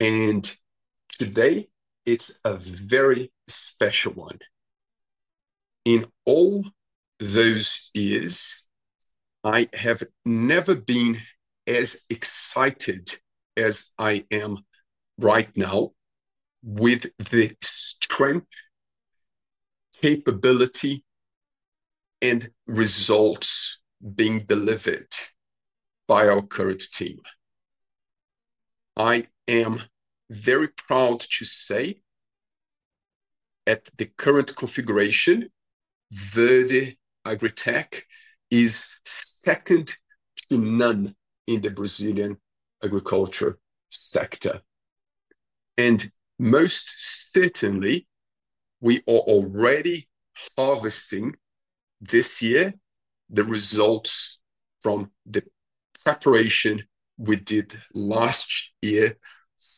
Today it's a very special one. In all those years, I have never been as excited as I am right now with the strength, capability, and results being delivered by our current team. I am very proud to say, at the current configuration, Verde AgriTech is second to none in the Brazilian agriculture sector. Most certainly, we are already harvesting this year the results from the preparation we did last year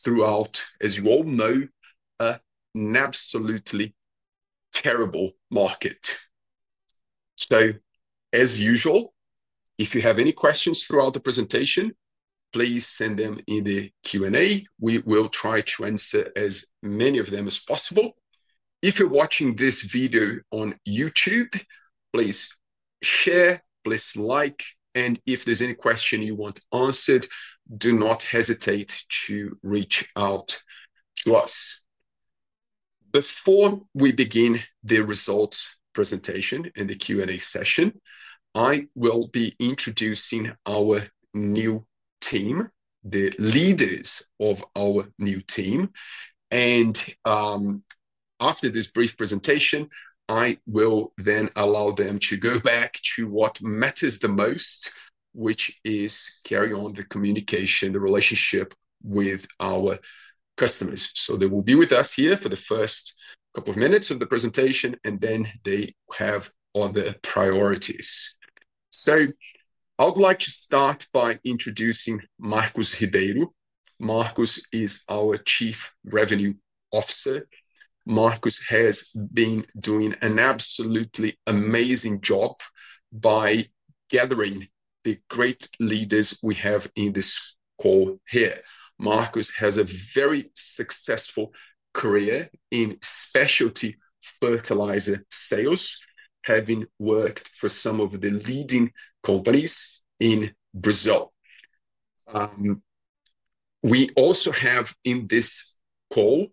throughout, as you all know, an absolutely terrible market. As usual, if you have any questions throughout the presentation, please send them in the Q&A. We will try to answer as many of them as possible. If you're watching this video on YouTube, please share, please like, and if there's any question you want answered, do not hesitate to reach out to us. Before we begin the results presentation and the Q&A session, I will be introducing our new team, the leaders of our new team. After this brief presentation, I will then allow them to go back to what matters the most, which is carrying on the communication, the relationship with our customers. They will be with us here for the first couple of minutes of the presentation, and then they have other priorities. I would like to start by introducing Marcus Ribeiro. Marcus is our Chief Revenue Officer. Marcus has been doing an absolutely amazing job by gathering the great leaders we have in this call here. Marcus has a very successful career in specialty fertilizer sales, having worked for some of the leading companies in Brazil. We also have in this call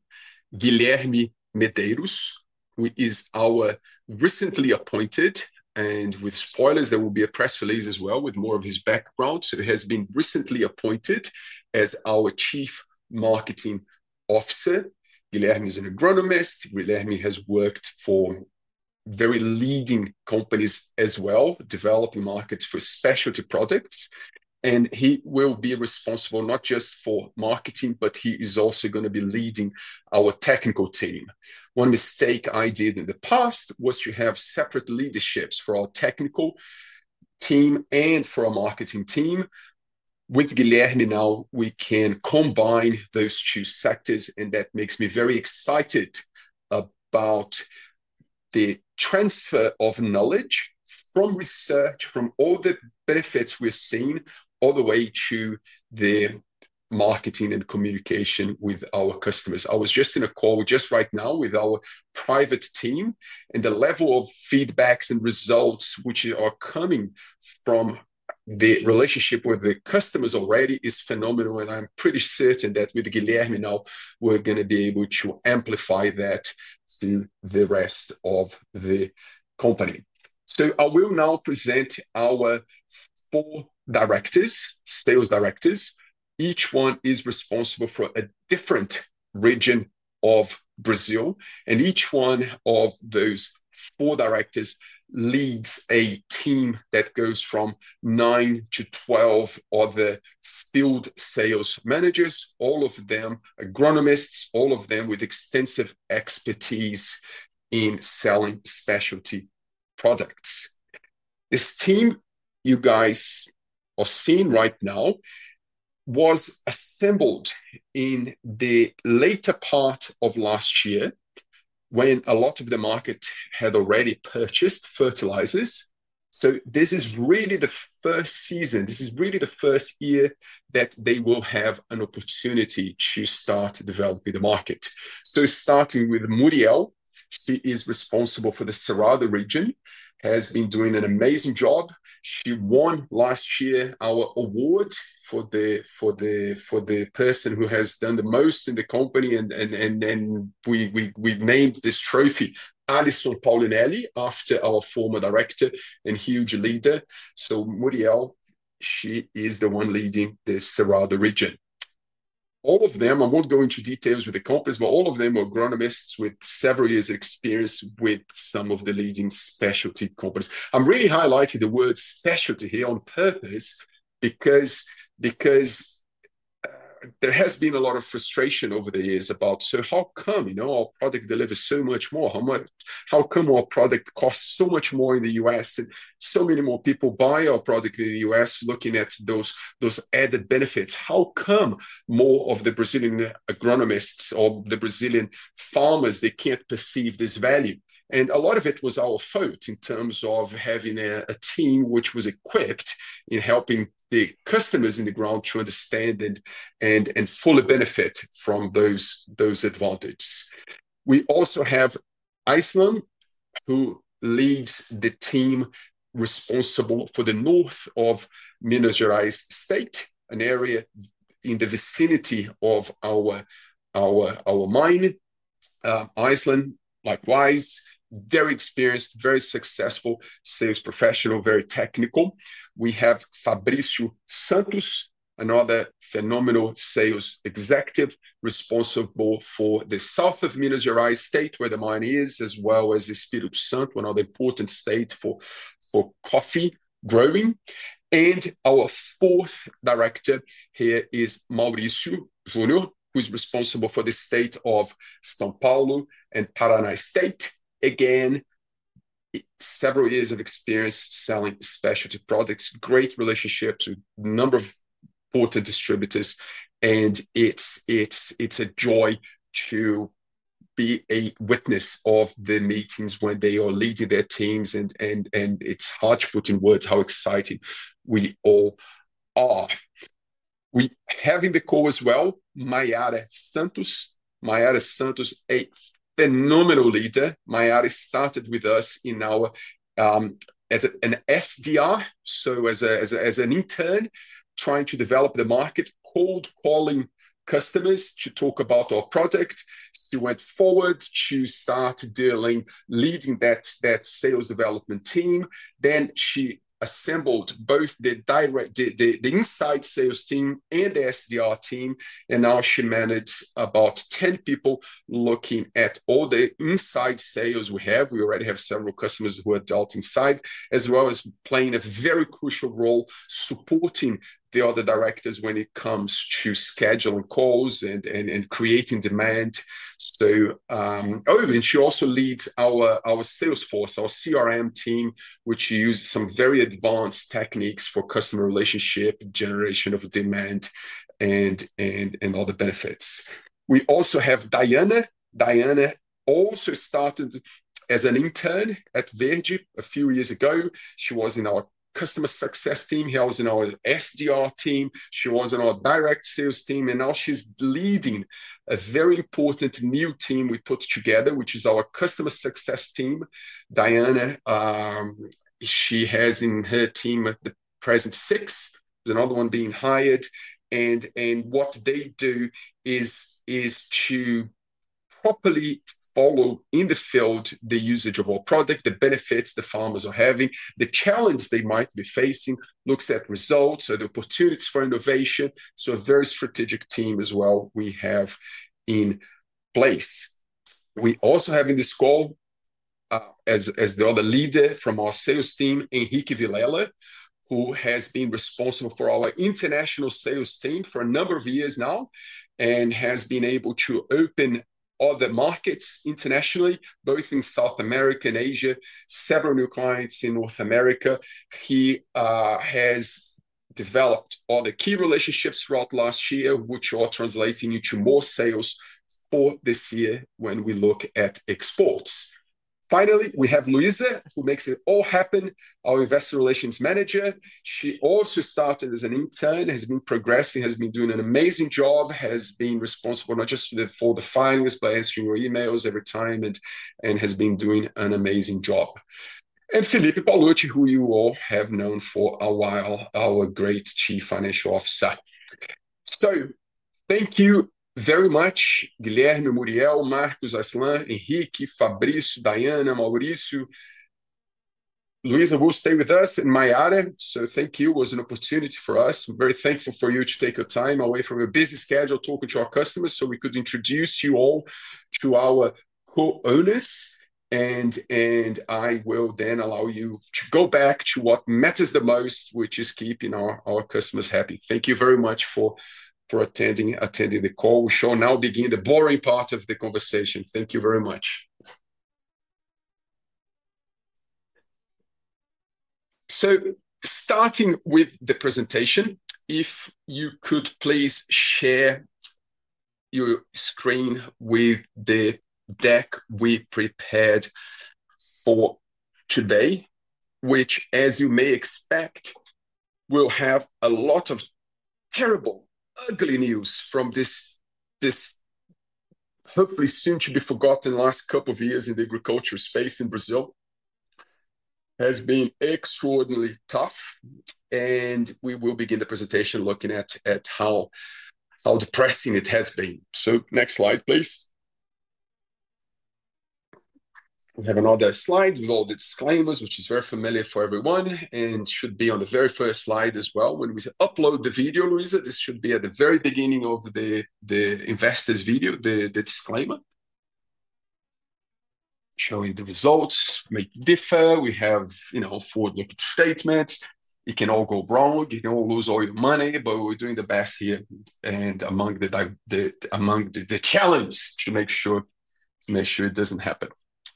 Guilherme Medeiros, who is our recently appointed, and with spoilers, there will be a press release as well with more of his background. He has been recently appointed as our Chief Marketing Officer. Guilherme is an agronomist. Guilherme has worked for very leading companies as well, developing markets for specialty products. He will be responsible not just for marketing, but he is also going to be leading our technical team. One mistake I did in the past was to have separate leaderships for our technical team and for our marketing team. With Guilherme, now we can combine those two sectors, and that makes me very excited about the transfer of knowledge from research, from all the benefits we've seen, all the way to the marketing and communication with our customers. I was just in a call just right now with our private team, and the level of feedbacks and results which are coming from the relationship with the customers already is phenomenal. I'm pretty certain that with Guilherme now, we're going to be able to amplify that to the rest of the company. I will now present our four Sales Directors. Each one is responsible for a different region of Brazil, and each one of those four directors leads a team that goes from 9 to 12 other field sales managers, all of them agronomists, all of them with extensive expertise in selling specialty products. This team you guys are seeing right now was assembled in the later part of last year when a lot of the market had already purchased fertilizers. This is really the first season. This is really the first year that they will have an opportunity to start developing the market. Starting with Muriel, she is responsible for the Cerrado region, has been doing an amazing job. She won last year our award for the person who has done the most in the company, and we named this trophy Alysson Paolinelli after our former director and huge leader. Muriel, she is the one leading the Cerrado region. All of them, I will not go into details with the companies, but all of them are agronomists with several years' experience with some of the leading specialty companies. I am really highlighting the word specialty here on purpose because there has been a lot of frustration over the years about, "So how come our product delivers so much more? How come our product costs so much more in the U.S. and so many more people buy our product in the U.S. looking at those added benefits? How come more of the Brazilian agronomists or the Brazilian farmers, they can't perceive this value? A lot of it was our fault in terms of having a team which was equipped in helping the customers in the ground to understand and fully benefit from those advantages. We also have Aislan, who leads the team responsible for the north of Minas Gerais State, an area in the vicinity of our mine. Aislan, likewise, very experienced, very successful sales professional, very technical. We have Fabrício Santos, another phenomenal sales executive responsible for the south of Minas Gerais State, where the mine is, as well as Espírito Santo, another important state for coffee growing. Our fourth director here is Maurício Júnior, who is responsible for the state of São Paulo and Paraná State. Again, several years of experience selling specialty products, great relationships with a number of important distributors. It is a joy to be a witness of the meetings where they are leading their teams, and it is hard to put in words how excited we all are. We have in the call as well, Maiara Santos. Maiara Santos, a phenomenal leader. Maiara started with us as an SDR, so as an intern trying to develop the market, cold-calling customers to talk about our product. She went forward to start leading that sales development team. Then she assembled both the inside sales team and the SDR team, and now she manages about 10 people looking at all the inside sales we have. We already have several customers who are adults inside, as well as playing a very crucial role supporting the other directors when it comes to scheduling calls and creating demand. She also leads our sales force, our CRM team, which uses some very advanced techniques for customer relationship, generation of demand, and other benefits. We also have Dayana. Dayana also started as an intern at Verde a few years ago. She was in our customer success team. She was in our SDR team. She was in our direct sales team. Now she is leading a very important new team we put together, which is our customer success team. Dayana, she has in her team at the present six, another one being hired. What they do is to properly follow in the field the usage of our product, the benefits the farmers are having, the challenge they might be facing, looks at results, so the opportunities for innovation. A very strategic team as well we have in place. We also have in this call, as the other leader from our sales team, Eheke Villele, who has been responsible for our international sales team for a number of years now and has been able to open other markets internationally, both in South America and Asia, several new clients in North America. He has developed all the key relationships throughout last year, which are translating into more sales for this year when we look at exports. Finally, we have Luiza, who makes it all happen, our Investor Relations Manager. She also started as an intern, has been progressing, has been doing an amazing job, has been responsible not just for the filings, but answering your emails every time, and has been doing an amazing job. Felipe Paolucci, who you all have known for a while, our great Chief Financial Officer. Thank you very much, Guilherme, Muriel, Marcus, Aislan, Eheke, Fabrício, Dayana, Maurício. Luiza will stay with us and Maiara. Thank you. It was an opportunity for us. I'm very thankful for you to take your time away from your busy schedule talking to our customers so we could introduce you all to our co-owners. I will then allow you to go back to what matters the most, which is keeping our customers happy. Thank you very much for attending the call. We shall now begin the boring part of the conversation. Thank you very much. Starting with the presentation, if you could please share your screen with the deck we prepared for today, which, as you may expect, will have a lot of terrible, ugly news from this hopefully soon to be forgotten last couple of years in the agriculture space in Brazil. It has been extraordinarily tough, and we will begin the presentation looking at how depressing it has been. Next slide, please. We have another slide with all the disclaimers, which is very familiar for everyone and should be on the very first slide as well. When we upload the video, Luiza, this should be at the very beginning of the investors' video, the disclaimer. Showing the results, make it differ. We have forward-looking statements. It can all go wrong. You can all lose all your money, but we're doing the best here and among the challenge to make sure it doesn't happen.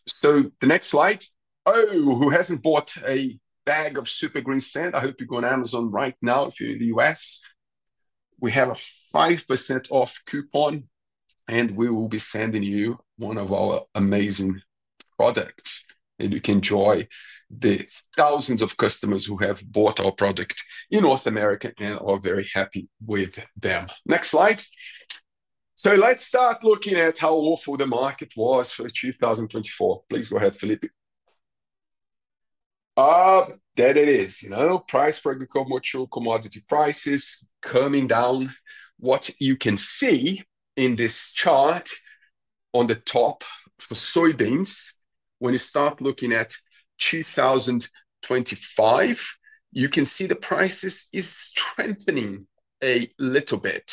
The next slide. Oh, who hasn't bought a bag of Super Greensand? I hope you go on Amazon right now if you're in the U.S. We have a 5% off coupon, and we will be sending you one of our amazing products. You can enjoy the thousands of customers who have bought our product in North America and are very happy with them. Next slide. Let's start looking at how awful the market was for 2024. Please go ahead, Felipe. There it is. Price for agricultural commodity prices coming down. What you can see in this chart on the top for soybeans, when you start looking at 2025, you can see the prices are strengthening a little bit.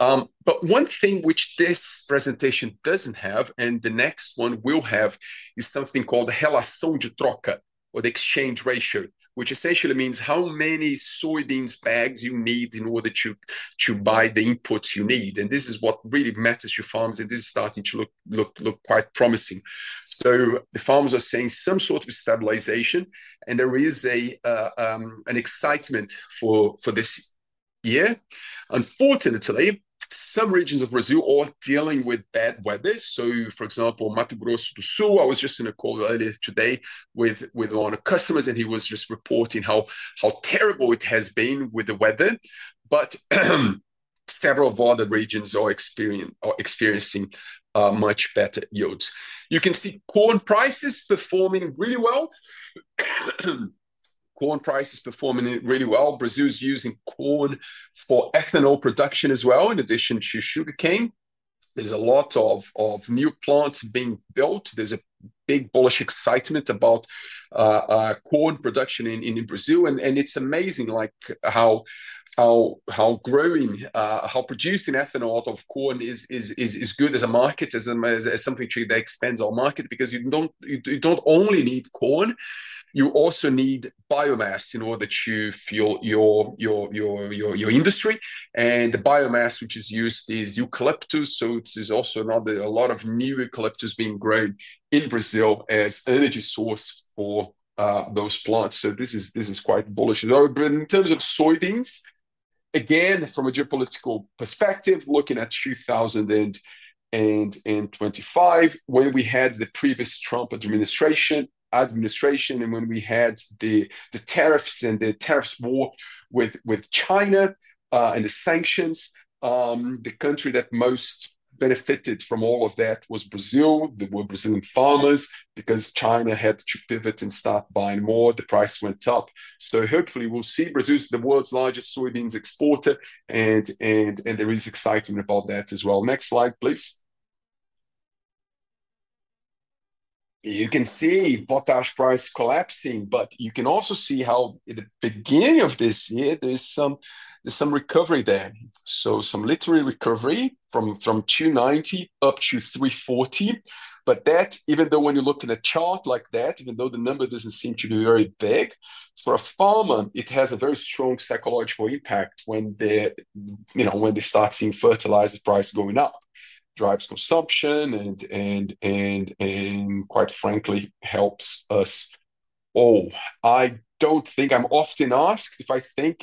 One thing which this presentation does not have, and the next one will have, is something called the relações de troca or the exchange ratio, which essentially means how many soybean bags you need in order to buy the inputs you need. This is what really matters to farms, and this is starting to look quite promising. The farms are seeing some sort of stabilization, and there is an excitement for this year. Unfortunately, some regions of Brazil are dealing with bad weather. For example, Mato Grosso do Sul, I was just in a call earlier today with one of the customers, and he was just reporting how terrible it has been with the weather. Several of other regions are experiencing much better yields. You can see corn prices performing really well. Corn prices are performing really well. Brazil is using corn for ethanol production as well, in addition to sugarcane. There is a lot of new plants being built. There is a big bullish excitement about corn production in Brazil. It is amazing how growing, how producing ethanol out of corn is good as a market, as something that expands our market because you do not only need corn. You also need biomass in order to fuel your industry. The biomass which is used is eucalyptus. It is also a lot of new eucalyptus being grown in Brazil as an energy source for those plants. This is quite bullish. In terms of soybeans, again, from a geopolitical perspective, looking at 2025, when we had the previous Trump administration, and when we had the tariffs and the tariffs war with China and the sanctions, the country that most benefited from all of that was Brazil, the Brazilian farmers, because China had to pivot and start buying more. The price went up. Hopefully, we will see Brazil as the world's largest soybeans exporter, and there is excitement about that as well. Next slide, please. You can see potash price collapsing, but you can also see how at the beginning of this year, there is some recovery there. Some literary recovery from 2.90 up to 3.40. Even though when you look at a chart like that, even though the number does not seem to be very big, for a farmer, it has a very strong psychological impact when they start seeing fertilizer price going up. Drives consumption and, quite frankly, helps us all. I do not think I am often asked if I think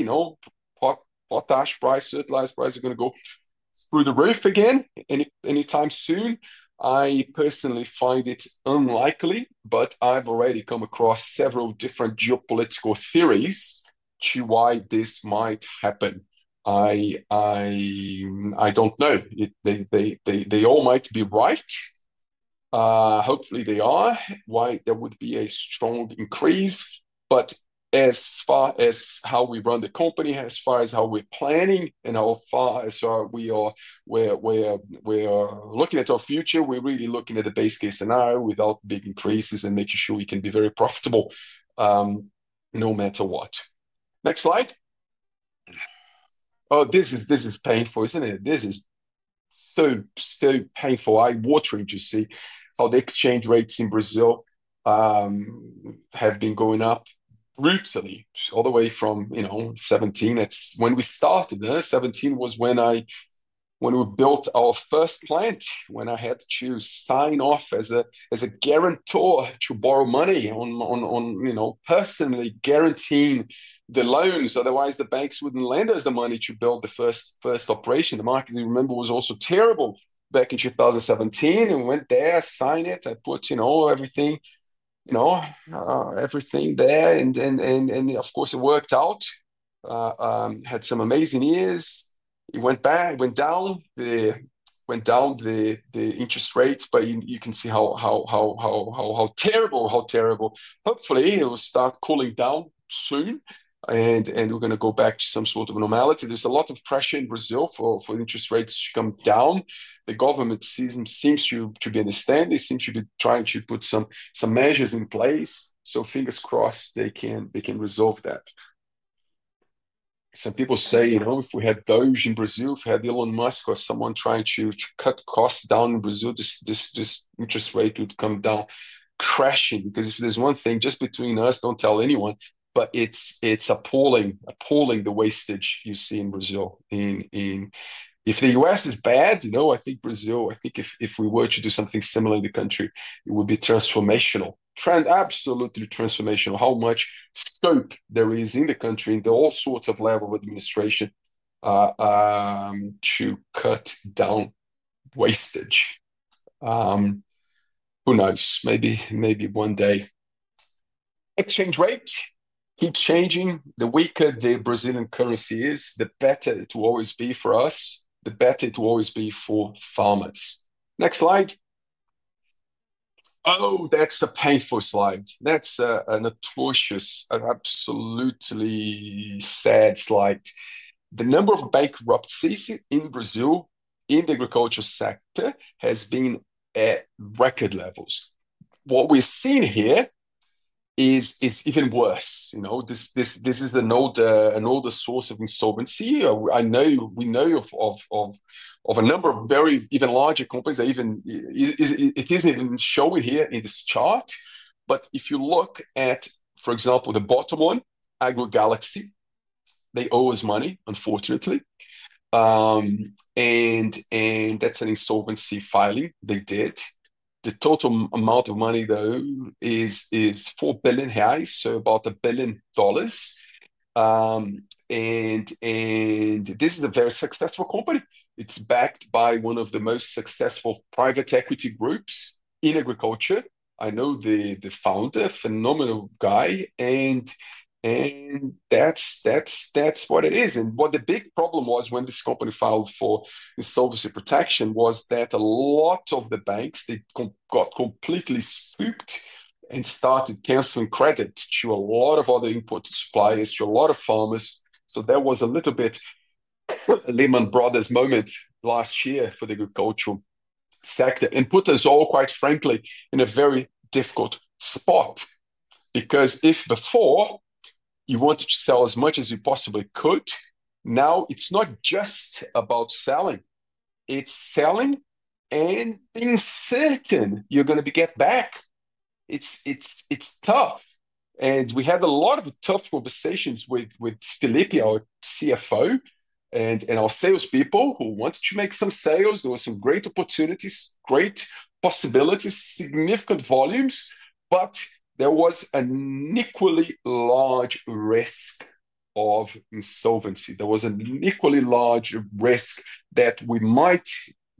potash price, fertilizer price are going to go through the roof again anytime soon. I personally find it unlikely, but I have already come across several different geopolitical theories to why this might happen. I do not know. They all might be right. Hopefully, they are. Why there would be a strong increase. As far as how we run the company, as far as how we're planning, and as far as how we are looking at our future, we're really looking at the base case scenario without big increases and making sure we can be very profitable no matter what. Next slide. Oh, this is painful, isn't it? This is so, so painful. I'm wanting to see how the exchange rates in Brazil have been going up brutally, all the way from 2017. When we started there, 2017 was when we built our first plant, when I had to sign off as a guarantor to borrow money on personally guaranteeing the loans. Otherwise, the banks would not lend us the money to build the first operation. The market, you remember, was also terrible back in 2017. We went there, signed it. I put everything there. Of course, it worked out. Had some amazing years. It went down. It went down the interest rates, but you can see how terrible, how terrible. Hopefully, it will start cooling down soon, and we're going to go back to some sort of normality. There is a lot of pressure in Brazil for interest rates to come down. The government seems to be understanding. They seem to be trying to put some measures in place. Fingers crossed they can resolve that. Some people say, if we had DOGE in Brazil, if we had Elon Musk or someone trying to cut costs down in Brazil, this interest rate would come down crashing. Because if there is one thing just between us, do not tell anyone, but it is appalling, appalling the wastage you see in Brazil. If the U.S. is bad, I think Brazil, I think if we were to do something similar in the country, it would be transformational. Absolutely transformational. How much scope there is in the country and all sorts of level of administration to cut down wastage. Who knows? Maybe one day. Exchange rate keeps changing. The weaker the Brazilian currency is, the better it will always be for us. The better it will always be for farmers. Next slide. Oh, that's a painful slide. That's an atrocious, an absolutely sad slide. The number of bankruptcies in Brazil in the agriculture sector has been at record levels. What we're seeing here is even worse. This is an older source of insolvency. We know of a number of very even larger companies. It isn't even shown here in this chart. If you look at, for example, the bottom one, AgroGalaxy, they owe us money, unfortunately. That is an insolvency filing they did. The total amount of money, though, is 4 billion, so about 1 billion dollars. This is a very successful company. It is backed by one of the most successful private equity groups in agriculture. I know the founder, phenomenal guy. That is what it is. What the big problem was when this company filed for insolvency protection was that a lot of the banks got completely spooked and started canceling credit to a lot of other input suppliers, to a lot of farmers. There was a little bit of a Lehman Brothers moment last year for the agricultural sector and it put us all, quite frankly, in a very difficult spot. Because if before you wanted to sell as much as you possibly could, now it's not just about selling. It's selling and being certain you're going to get back. It's tough. We had a lot of tough conversations with Felipe, our CFO, and our salespeople who wanted to make some sales. There were some great opportunities, great possibilities, significant volumes, but there was an equally large risk of insolvency. There was an equally large risk that we might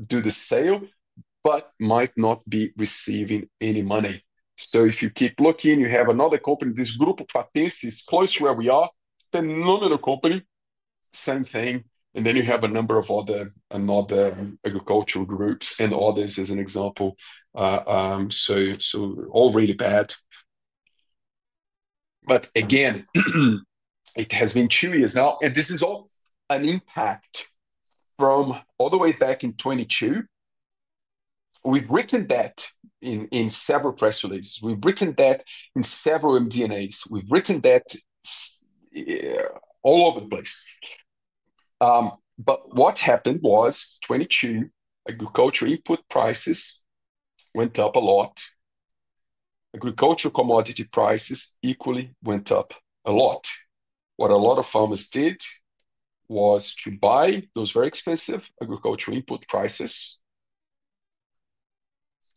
do the sale, but might not be receiving any money. If you keep looking, you have another company, this Grupo Patense, is close to where we are. Phenomenal company. Same thing. You have a number of other agricultural groups and others as an example. All really bad. Again, it has been two years now, and this is all an impact from all the way back in 2022. We've written that in several press releases. We've written that in several MD&As. We've written that all over the place. What happened was, in 2022, agriculture input prices went up a lot. Agricultural commodity prices equally went up a lot. What a lot of farmers did was to buy those very expensive agricultural input prices,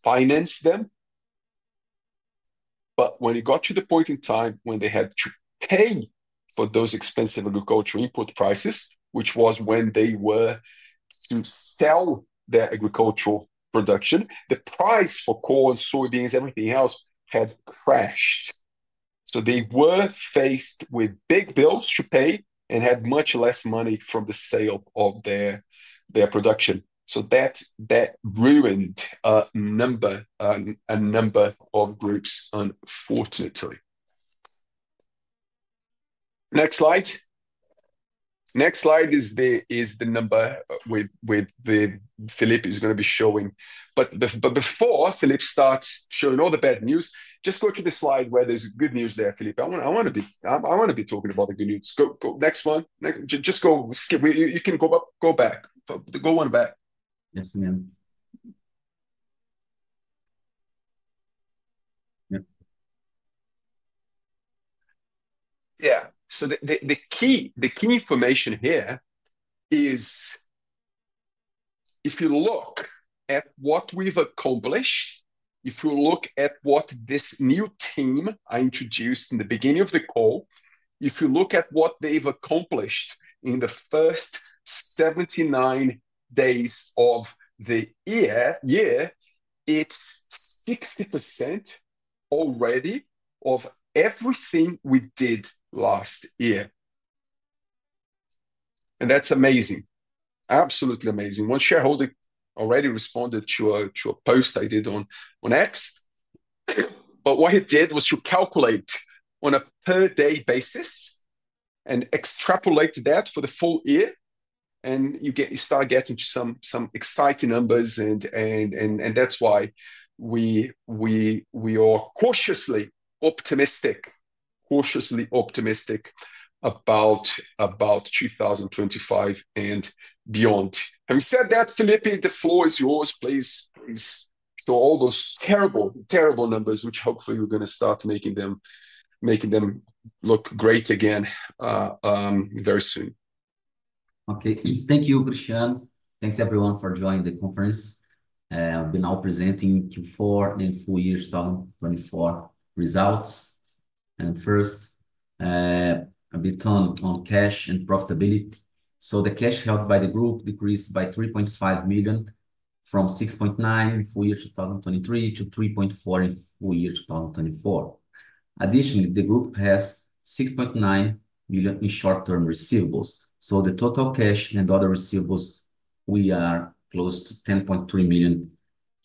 finance them. When it got to the point in time when they had to pay for those expensive agricultural input prices, which was when they were to sell their agricultural production, the price for corn, soybeans, everything else had crashed. They were faced with big bills to pay and had much less money from the sale of their production. That ruined a number of groups, unfortunately. Next slide. Next slide is the number with the. Felipe is going to be showing. Before Felipe starts showing all the bad news, just go to the slide where there's good news there, Felipe. I want to be talking about the good news. Next one. Just go skip. You can go back. Go one back. Yes, ma'am. Yeah. The key information here is if you look at what we've accomplished, if you look at what this new team I introduced in the beginning of the call, if you look at what they've accomplished in the first 79 days of the year, it's 60% already of everything we did last year. That's amazing. Absolutely amazing. One shareholder already responded to a post I did on X. What he did was to calculate on a per-day basis and extrapolate that for the full year. You start getting to some exciting numbers. That is why we are cautiously optimistic, cautiously optimistic about 2025 and beyond. Having said that, Felipe, the floor is yours. Please show all those terrible, terrible numbers, which hopefully we are going to start making them look great again very soon. Okay. Thank you, Cristiano. Thanks, everyone, for joining the conference. We are now presenting Q4 and full year 2024 results. First, a bit on cash and profitability. The cash held by the group decreased by 3.5 million from 6.9 million in full year 2023 to 3.4 million in full year 2024. Addition, the group has short-term receivables. The total cash and other receivables, we are close to 10.3 million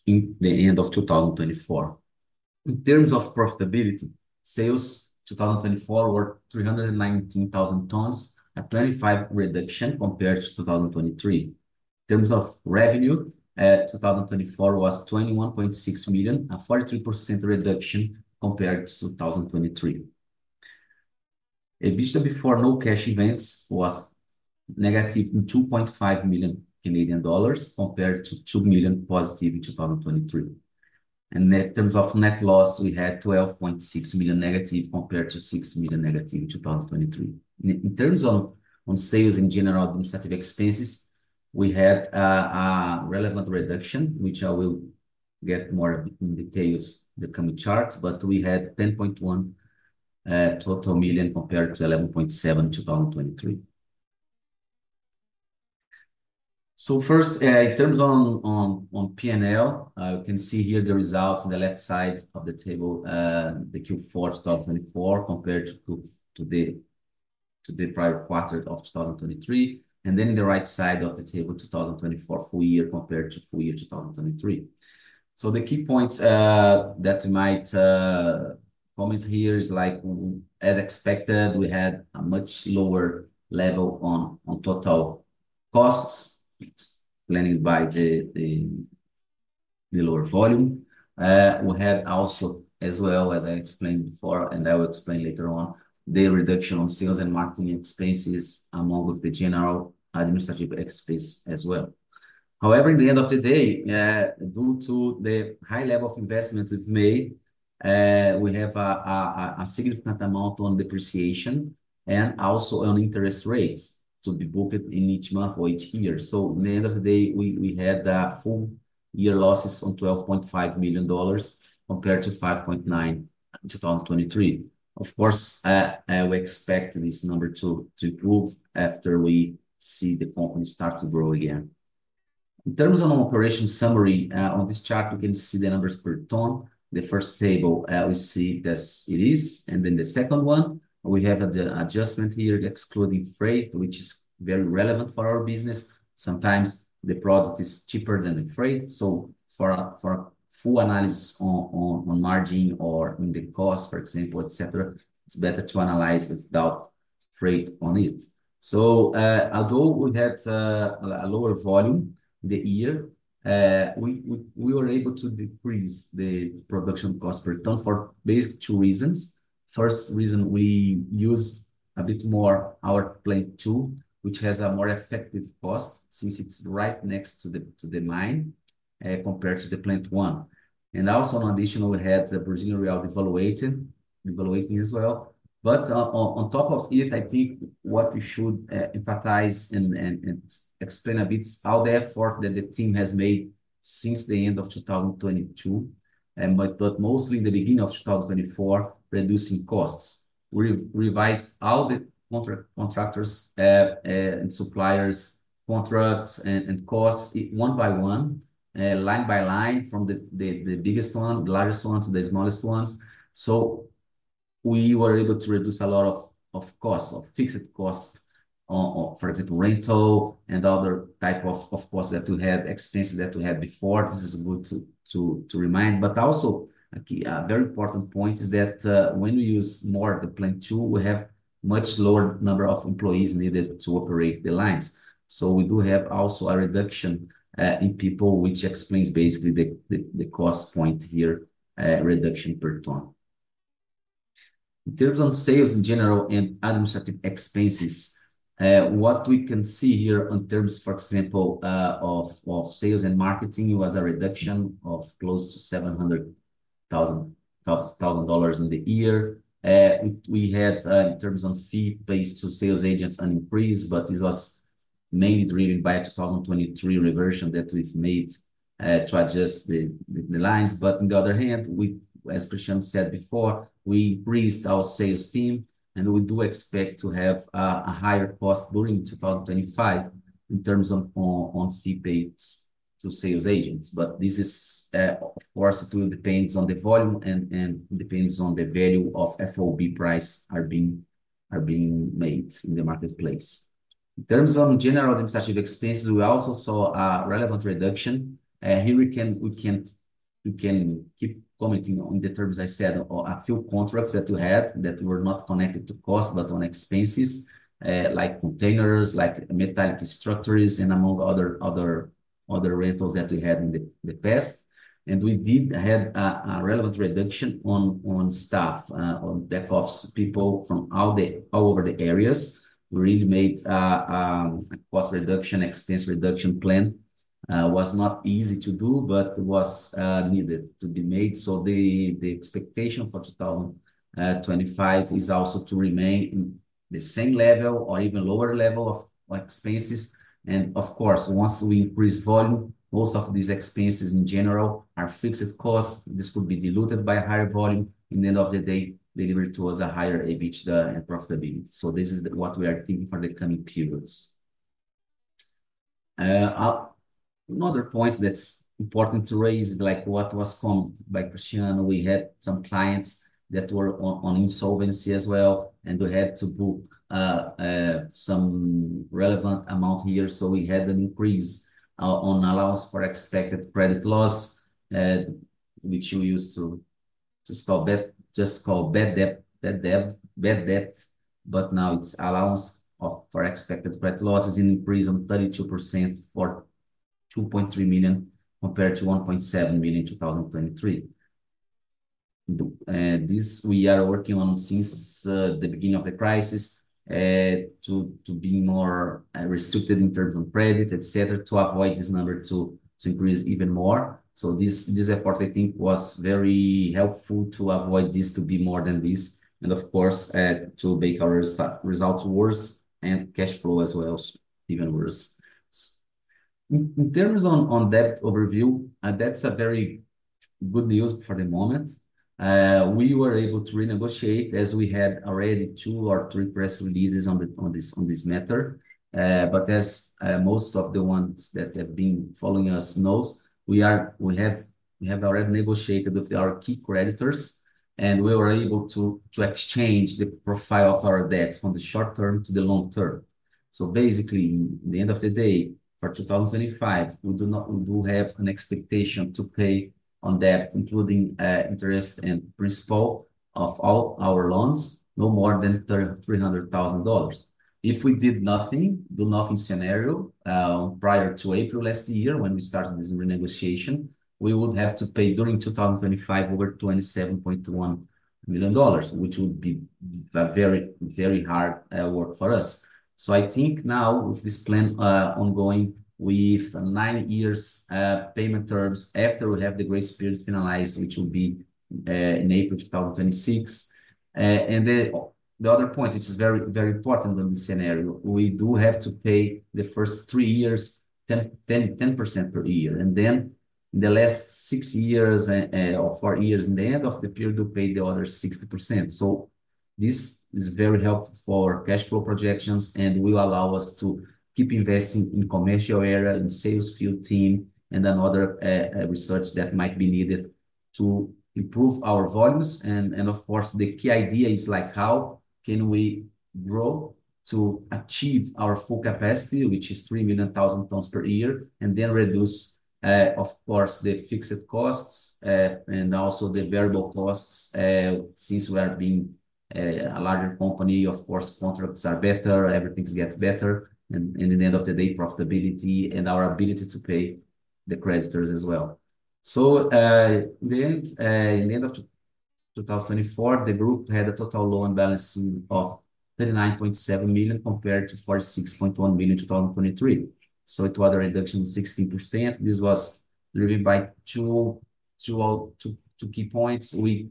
at the end of 2024. In terms of profitability, sales in 2024 were 319,000 tons, a 25% reduction compared to 2023. In terms of revenue, 2024 was 21.6 million, a 43% reduction compared to 2023. A vision before no cash events was -2.5 million Canadian dollars compared to 2 million+ in 2023. In terms of net loss, we had 12.6 million- compared to 6 million- in 2023. In terms of sales in general, administrative expenses, we had a relevant reduction, which I will get more details in the coming charts. We had 10.1 million total compared to 11.7 million in 2023. First, in terms of P&L, you can see here the results on the left side of the table, the Q4 2024 compared to the prior quarter of 2023. On the right side of the table, 2024 full year compared to full year 2023. The key points that we might comment here is, as expected, we had a much lower level on total costs, explained by the lower volume. We had also, as well as I explained before, and I will explain later on, the reduction on sales and marketing expenses among the general administrative expenses as well. However, at the end of the day, due to the high level of investment we've made, we have a significant amount on depreciation and also on interest rates to be booked in each month or each year. At the end of the day, we had full year losses on 12.5 million dollars compared to 5.9 million in 2023. Of course, we expect this number to improve after we see the company start to grow again. In terms of operation summary, on this chart, you can see the numbers per ton. The first table, we see that it is. Then the second one, we have the adjustment here excluding freight, which is very relevant for our business. Sometimes the product is cheaper than the freight. For a full analysis on margin or in the cost, for example, etcetera, it's better to analyze without freight on it. Although we had a lower volume in the year, we were able to decrease the production cost per ton for basically two reasons. First reason, we use a bit more our plant two, which has a more effective cost since it's right next to the mine compared to the plant one. Also, in addition, we had the Brazilian real devaluating as well. On top of it, I think what we should emphasize and explain a bit is how the effort that the team has made since the end of 2022, but mostly in the beginning of 2024, reducing costs. We revised all the contractors' and suppliers' contracts and costs one by one, line by line, from the biggest one, the largest one, to the smallest ones. We were able to reduce a lot of costs, of fixed costs, for example, rental and other type of costs that we had, expenses that we had before. This is good to remind. Also, a very important point is that when we use more of the plant two, we have a much lower number of employees needed to operate the lines. We do have also a reduction in people, which explains basically the cost point here, reduction per ton. In terms of sales in general and administrative expenses, what we can see here in terms, for example, of sales and marketing, it was a reduction of close to 700,000 dollars in the year. We had, in terms of fee-based to sales agents, an increase, but this was mainly driven by the 2023 reversion that we've made to adjust the lines. As Cristiano said before, we increased our sales team, and we do expect to have a higher cost during 2025 in terms of fee-based to sales agents. This is, of course, it will depend on the volume and depends on the value of FOB price being made in the marketplace. In terms of general administrative expenses, we also saw a relevant reduction. Here we can keep commenting on the terms I said, a few contracts that we had that were not connected to cost, but on expenses, like containers, like metallic structures, and among other rentals that we had in the past. We did have a relevant reduction on staff, on back-office people from all over the areas. We really made a cost reduction, expense reduction plan. It was not easy to do, but it was needed to be made. The expectation for 2025 is also to remain the same level or even lower level of expenses. Of course, once we increase volume, most of these expenses in general are fixed costs. This could be diluted by higher volume. In the end of the day, delivered to us a higher EBITDA and profitability. This is what we are thinking for the coming periods. Another point that's important to raise is what was commented by Cristiano. We had some clients that were on insolvency as well, and we had to book some relevant amount here. We had an increase on allowance for expected credit loss, which we used to just call bad debt, but now it's allowance for expected credit losses increased on 32% for 2.3 million compared to 1.7 million in 2023. This we are working on since the beginning of the crisis to be more restricted in terms of credit, etcetera, to avoid this number to increase even more. This effort, I think, was very helpful to avoid this to be more than this. Of course, to make our results worse and cash flow as well even worse. In terms of debt overview, that's very good news for the moment. We were able to renegotiate as we had already two or three press releases on this matter. As most of the ones that have been following us know, we have already negotiated with our key creditors, and we were able to exchange the profile of our debt from the short term to the long term. Basically, at the end of the day, for 2025, we do have an expectation to pay on debt, including interest and principal of all our loans, no more than $300,000. If we did nothing, do nothing scenario prior to April last year when we started this renegotiation, we would have to pay during 2025 over $27.1 million, which would be a very, very hard work for us. I think now with this plan ongoing with nine years payment terms after we have the grace period finalized, which will be in April 2026. The other point, which is very, very important in this scenario, we do have to pay the first three years 10% per year. In the last six years or four years, in the end of the period, we pay the other 60%. This is very helpful for cash flow projections and will allow us to keep investing in commercial area, in sales field team, and other research that might be needed to improve our volumes. Of course, the key idea is how can we grow to achieve our full capacity, which is 3 million tons per year, and then reduce, of course, the fixed costs and also the variable costs since we are being a larger company. Of course, contracts are better, everything gets better, and at the end of the day, profitability and our ability to pay the creditors as well. In the end of 2024, the group had a total loan balance of $39.7 million compared to $46.1 million in 2023. It was a reduction of 16%. This was driven by two key points. We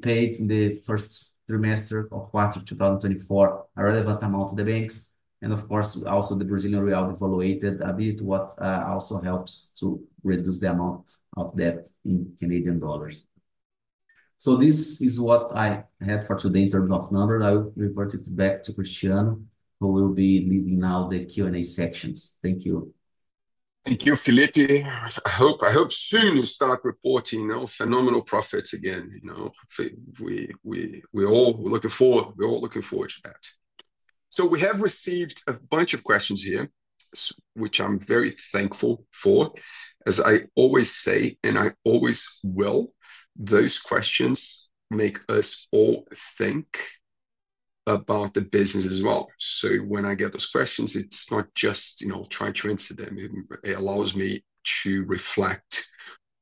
paid in the first trimester or quarter 2024 a relevant amount to the banks. Of course, also the Brazilian real devaluated a bit, which also helps to reduce the amount of debt in Canadian dollars. This is what I had for today in terms of numbers. I will report it back to Cristiano, who will be leading now the Q&A sections. Thank you. Thank you, Felipe. I hope soon you start reporting phenomenal profits again. We're all looking forward. We're all looking forward to that. We have received a bunch of questions here, which I'm very thankful for. As I always say, and I always will, those questions make us all think about the business as well. When I get those questions, it's not just trying to answer them. It allows me to reflect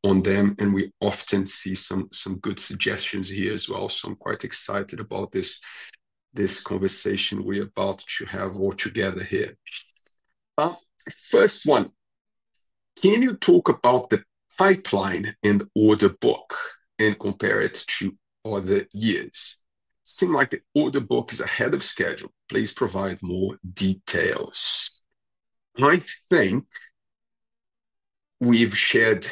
on them. We often see some good suggestions here as well. I am quite excited about this conversation we are about to have all together here. First one, can you talk about the pipeline in the order book and compare it to other years? It seems like the order book is ahead of schedule. Please provide more details. I think we have shared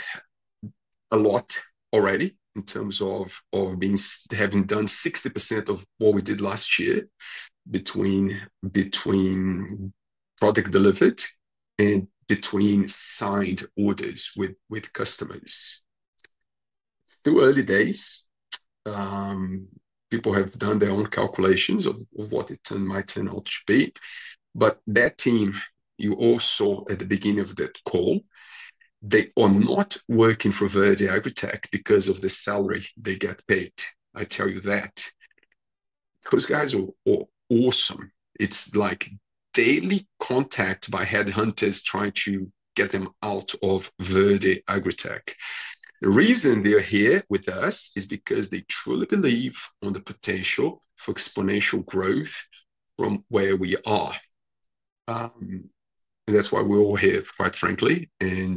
a lot already in terms of having done 60% of what we did last year between product delivered and between signed orders with customers. It is still early days. People have done their own calculations of what it might turn out to be. That team you all saw at the beginning of that call, they are not working for Verde AgriTech because of the salary they get paid. I tell you that. Those guys are awesome. It's like daily contact by headhunters trying to get them out of Verde AgriTech. The reason they're here with us is because they truly believe in the potential for exponential growth from where we are. That's why we're all here, quite frankly. We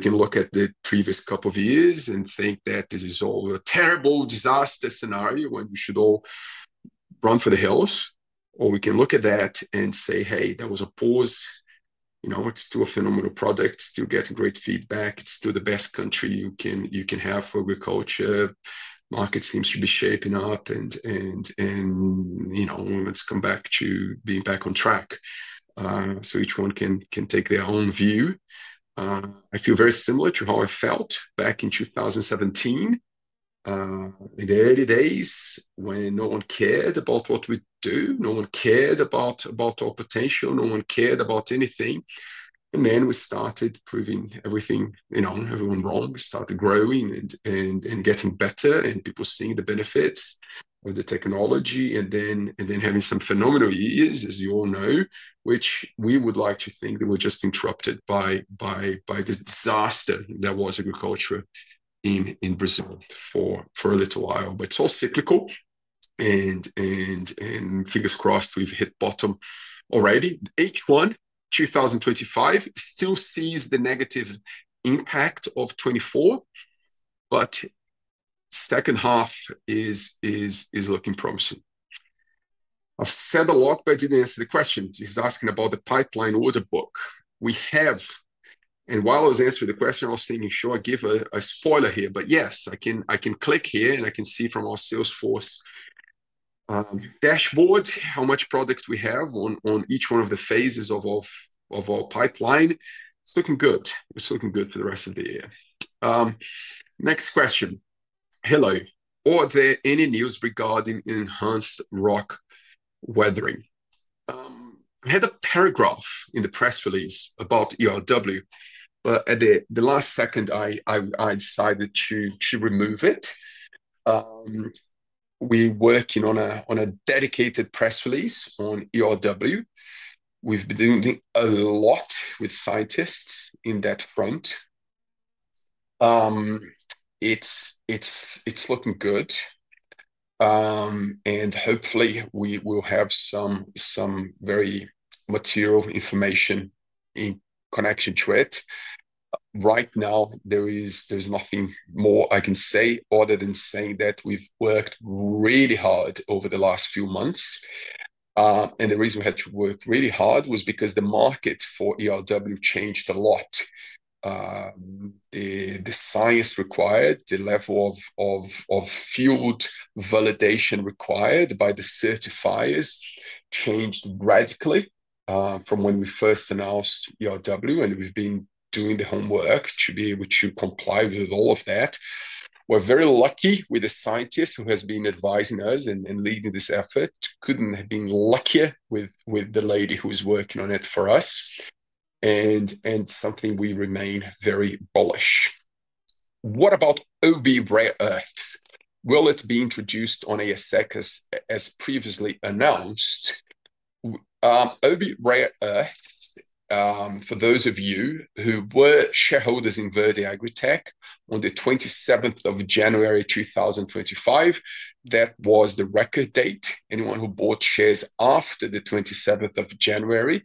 can look at the previous couple of years and think that this is all a terrible disaster scenario when we should all run for the hills. Or we can look at that and say, "Hey, there was a pause. It's still a phenomenal product. It's still getting great feedback. It's still the best country you can have for agriculture. Market seems to be shaping up. Let us come back to being back on track. Each one can take their own view. I feel very similar to how I felt back in 2017, in the early days, when no one cared about what we do. No one cared about our potential. No one cared about anything. Then we started proving everything, everyone wrong. We started growing and getting better and people seeing the benefits of the technology. Then having some phenomenal years, as you all know, which we would like to think that were just interrupted by the disaster that was agriculture in Brazil for a little while. It is all cyclical. Fingers crossed, we have hit bottom already. H1 2025 still sees the negative impact of 2024, but the second half is looking promising. I have said a lot, but I did not answer the question. He is asking about the pipeline order book. We have. While I was answering the question, I was thinking, "Should I give a spoiler here?" Yes, I can click here and I can see from our Salesforce dashboard how much product we have on each one of the phases of our pipeline. It's looking good. It's looking good for the rest of the year. Next question. Hello. Are there any news regarding enhanced rock weathering? I had a paragraph in the press release about ERW, but at the last second, I decided to remove it. We're working on a dedicated press release on ERW. We've been doing a lot with scientists in that front. It's looking good. Hopefully, we will have some very material information in connection to it. Right now, there is nothing more I can say other than saying that we've worked really hard over the last few months. The reason we had to work really hard was because the market for ERW changed a lot. The science required, the level of field validation required by the certifiers changed radically from when we first announced ERW. We have been doing the homework to be able to comply with all of that. We are very lucky with a scientist who has been advising us and leading this effort. Could not have been luckier with the lady who is working on it for us. It is something we remain very bullish on. What about Oby Rare Earths? Will it be introduced on ASX as previously announced? Oby Rare Earths, for those of you who were shareholders in Verde AgriTech on the January 2025, that was the record date. Anyone who bought shares after the January 2027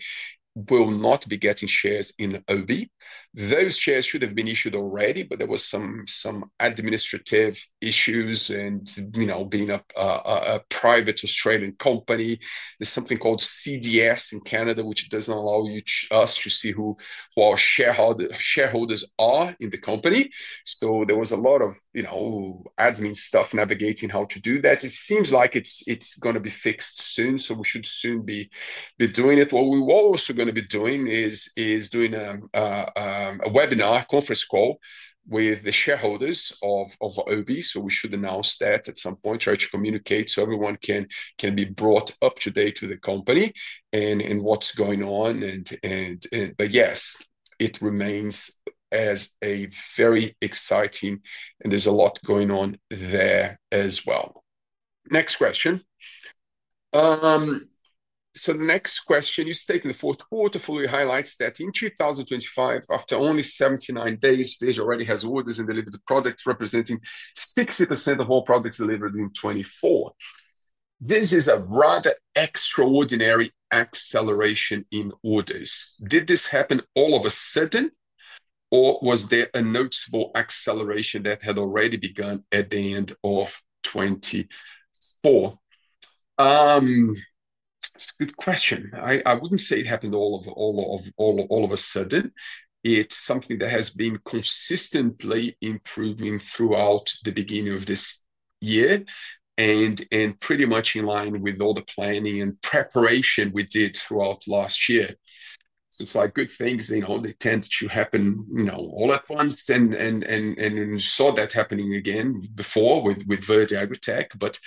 will not be getting shares in Oby. Those shares should have been issued already, but there were some administrative issues and being a private Australian company. There's something called CDS in Canada, which doesn't allow us to see who our shareholders are in the company. There was a lot of admin stuff navigating how to do that. It seems like it's going to be fixed soon, so we should soon be doing it. What we're also going to be doing is doing a webinar conference call with the shareholders of Oby. We should announce that at some point, try to communicate so everyone can be brought up to date with the company and what's going on. Yes, it remains as a very exciting, and there's a lot going on there as well. Next question. The next question, you're stating the fourth quarter fully highlights that in 2025, after only 79 days, Verde already has orders and delivered products representing 60% of all products delivered in 2024. This is a rather extraordinary acceleration in orders. Did this happen all of a sudden, or was there a noticeable acceleration that had already begun at the end of 2024? It's a good question. I wouldn't say it happened all of a sudden. It's something that has been consistently improving throughout the beginning of this year and pretty much in line with all the planning and preparation we did throughout last year. It's like good things only tend to happen all at once, and we saw that happening again before with Verde AgriTech.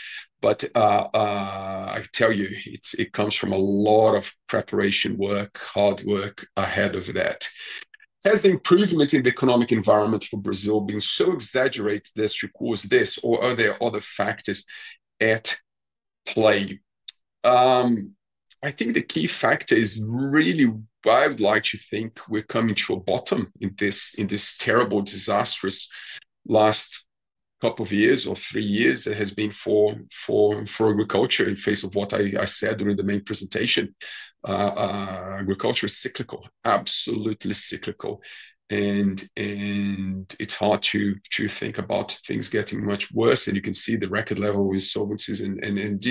I tell you, it comes from a lot of preparation work, hard work ahead of that. Has the improvement in the economic environment for Brazil been so exaggerated that it requires this, or are there other factors at play? I think the key factor is really why I would like to think we're coming to a bottom in this terrible, disastrous last couple of years or three years that has been for agriculture in face of what I said during the main presentation. Agriculture is cyclical, absolutely cyclical. It's hard to think about things getting much worse. You can see the record level with solvency and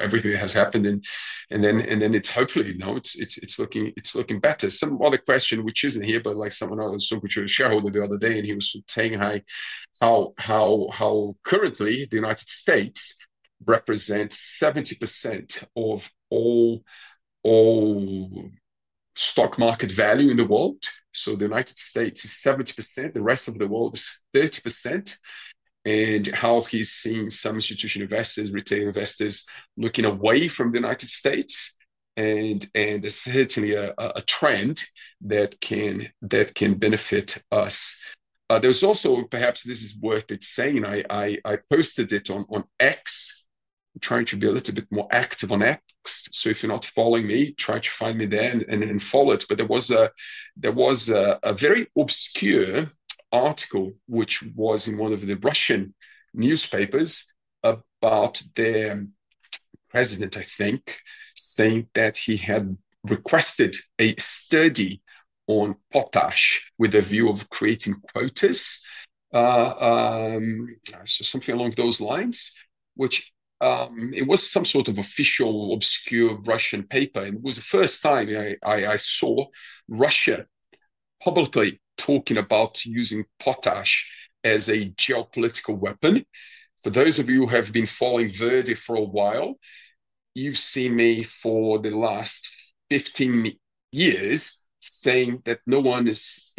everything that has happened. Hopefully it's looking better. Some other question, which isn't here, but someone I was talking to, a shareholder the other day, and he was saying how currently the United States represents 70% of all stock market value in the world. The United States is 70%, the rest of the world is 30%. He is seeing some institutional investors, retail investors, looking away from the United States. There is certainly a trend that can benefit us. There is also, perhaps this is worth saying, I posted it on X, trying to be a little bit more active on X. If you are not following me, try to find me there and follow it. There was a very obscure article which was in one of the Russian newspapers about their president, I think, saying that he had requested a study on potash with a view of creating quotas. It is just something along those lines, which was some sort of official obscure Russian paper. It was the first time I saw Russia publicly talking about using potash as a geopolitical weapon. For those of you who have been following Verde for a while, you've seen me for the last 15 years saying that no one is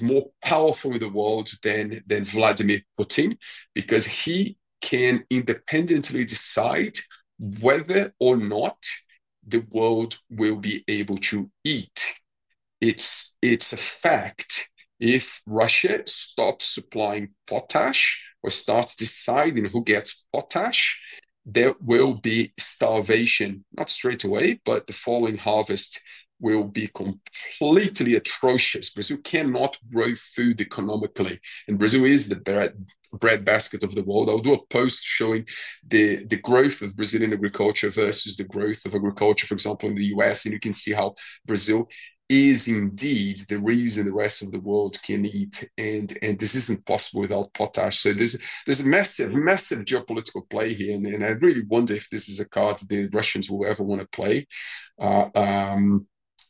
more powerful in the world than Vladimir Putin because he can independently decide whether or not the world will be able to eat. It's a fact. If Russia stops supplying potash or starts deciding who gets potash, there will be starvation. Not straight away, but the following harvest will be completely atrocious because you cannot grow food economically. Brazil is the breadbasket of the world. I'll do a post showing the growth of Brazilian agriculture versus the growth of agriculture, for example, in the U.S. You can see how Brazil is indeed the reason the rest of the world can eat. This isn't possible without potash. There is a massive geopolitical play here. I really wonder if this is a card the Russians will ever want to play.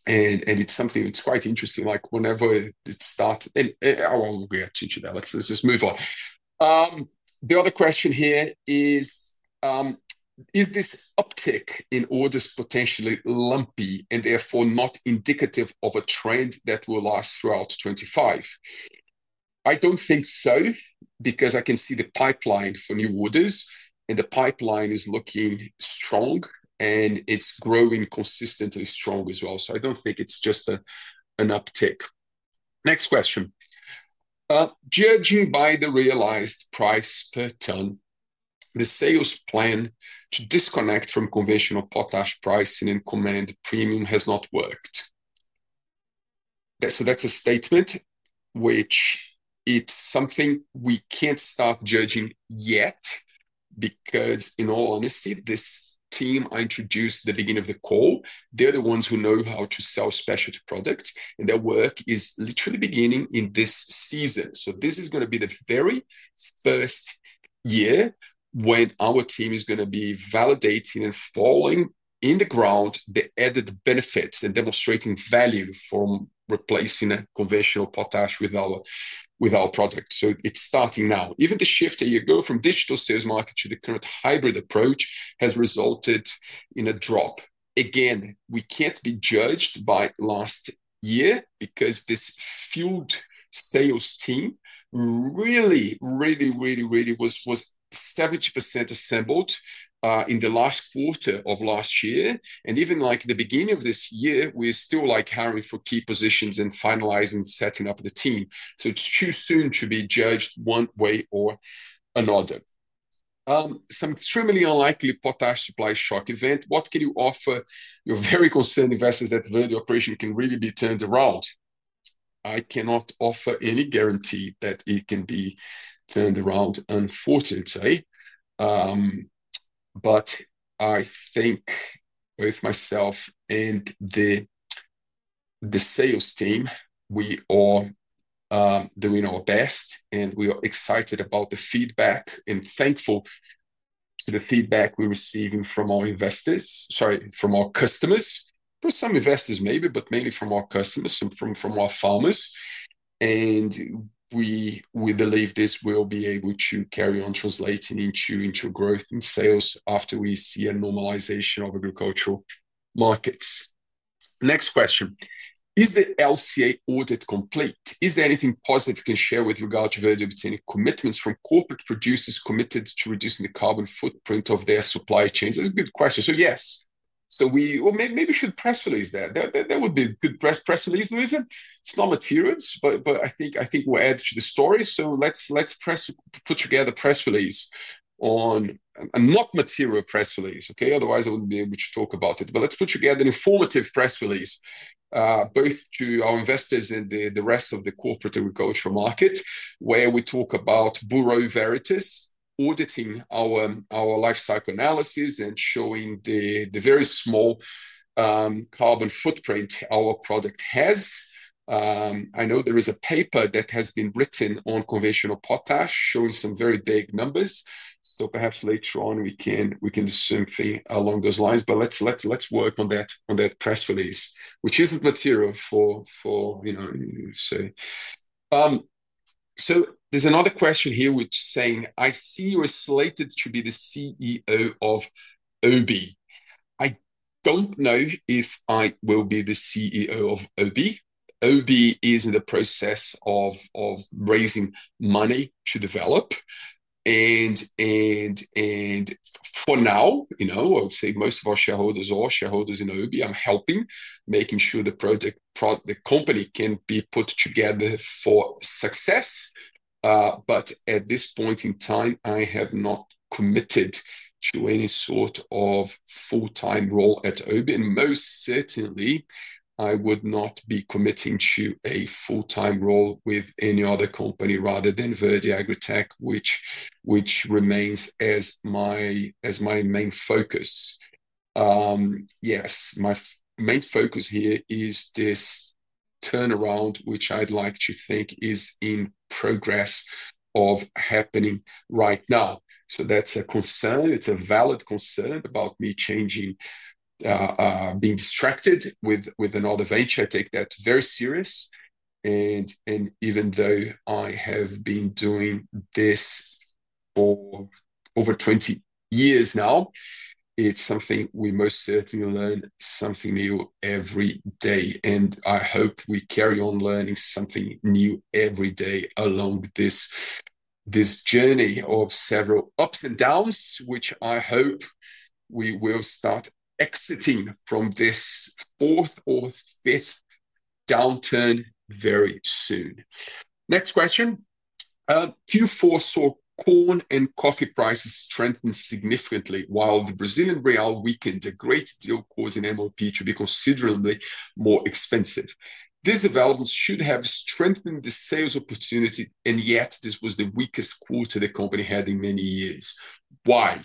It is something that is quite interesting. Whenever it starts—oh, we will get to that. Let's just move on. The other question here is, is this uptick in orders potentially lumpy and therefore not indicative of a trend that will last throughout 2025? I do not think so because I can see the pipeline for new orders, and the pipeline is looking strong, and it is growing consistently strong as well. I do not think it is just an uptick. Next question. Judging by the realized price per ton, the sales plan to disconnect from conventional potash pricing and command premium has not worked. That's a statement which it's something we can't start judging yet because, in all honesty, this team I introduced at the beginning of the call, they're the ones who know how to sell specialty products. Their work is literally beginning in this season. This is going to be the very first year when our team is going to be validating and following in the ground the added benefits and demonstrating value from replacing conventional potash with our product. It's starting now. Even the shift that you go from digital sales market to the current hybrid approach has resulted in a drop. Again, we can't be judged by last year because this fueled sales team really, really, really, really was 70% assembled in the last quarter of last year. Even at the beginning of this year, we're still hiring for key positions and finalizing setting up the team. It is too soon to be judged one way or another. Some extremely unlikely potash supply shock event. What can you offer your very concerned investors that the operation can really be turned around? I cannot offer any guarantee that it can be turned around, unfortunately. I think both myself and the sales team, we are doing our best, and we are excited about the feedback and thankful to the feedback we're receiving from our investors—sorry, from our customers. There are some investors, maybe, but mainly from our customers and from our farmers. We believe this will be able to carry on translating into growth in sales after we see a normalization of agricultural markets. Next question. Is the LCA audit complete? Is there anything positive you can share with regard to Verde obtaining commitments from corporate producers committed to reducing the carbon footprint of their supply chains? That's a good question. Yes. Maybe we should press release that. That would be a good press release. It's not materials, but I think we'll add to the story. Let's put together a press release on a not material press release, okay? Otherwise, I wouldn't be able to talk about it. Let's put together an informative press release both to our investors and the rest of the corporate agricultural market where we talk about Bureau Veritas auditing our life cycle analysis and showing the very small carbon footprint our product has. I know there is a paper that has been written on conventional potash showing some very big numbers. Perhaps later on, we can do something along those lines. Let's work on that press release, which isn't material for you. There's another question here which is saying, "I see you were slated to be the CEO of Oby." I don't know if I will be the CEO of Oby. Oby is in the process of raising money to develop. For now, I would say most of our shareholders, all shareholders in Oby, I'm helping making sure the company can be put together for success. At this point in time, I have not committed to any sort of full-time role at Oby. Most certainly, I would not be committing to a full-time role with any other company rather than Verde AgriTech, which remains as my main focus. Yes, my main focus here is this turnaround, which I'd like to think is in progress of happening right now. That's a concern. It's a valid concern about me changing, being distracted with another venture. I take that very seriously. Even though I have been doing this for over 20 years now, it's something we most certainly learn something new every day. I hope we carry on learning something new every day along this journey of several ups and downs, which I hope we will start exiting from this fourth or fifth downturn very soon. Next question. Q4 saw corn and coffee prices strengthen significantly, while the Brazilian real weakened a great deal, causing MOP to be considerably more expensive. These developments should have strengthened the sales opportunity, and yet this was the weakest quarter the company had in many years. Why?